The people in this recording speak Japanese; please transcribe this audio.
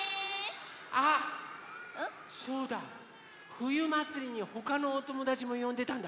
ふゆまつりにほかのおともだちもよんでたんだ。